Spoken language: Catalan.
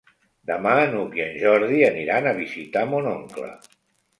Demà n'Hug i en Jordi aniran a visitar mon oncle.